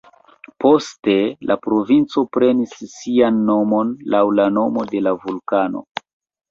Poste la provinco prenis sian nomon laŭ la nomo de la vulkano.